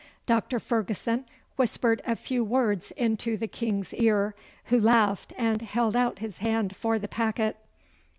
Doctor Ferguson whispered a few words into the King's ear, who laughed and held out his hand for the packet.